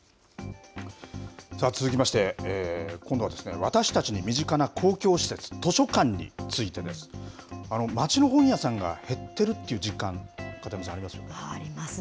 続きまして、今度は、私たちに身近な公共施設、図書館についてです。街の本屋さんが減ってるっていう実感、ありますね。